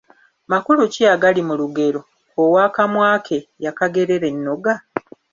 Makulu ki agali mu lugero ‘Ow’akamwa ke yakagerera ennoga'?